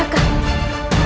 raja ibu nda